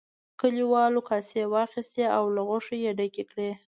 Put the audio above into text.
کليوالو کاسې واخیستې او له غوښو یې ډکې کړې.